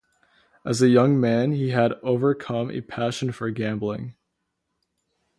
As a young man he had overcome a passion for gambling.